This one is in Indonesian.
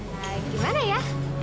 nah gimana ya